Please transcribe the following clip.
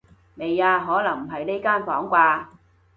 未啊，可能唔喺呢間房啩